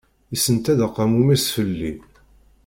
Yessenta-d aqamum-is fell-i.